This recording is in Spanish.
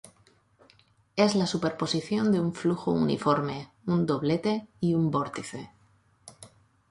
Es la superposición de un flujo uniforme, un doblete, y un vórtice.